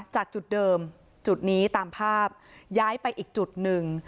จากจุดเดิมจุดนี้ตามภาพย้ายไปอีกจุดหนึ่ง